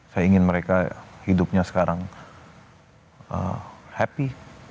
saya ingin mereka hidupnya sekarang happy